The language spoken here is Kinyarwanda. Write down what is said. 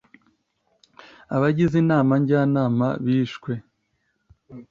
abagize inama jyanama bishwe